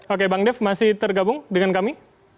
oke bang dev masih tergabung dengan kami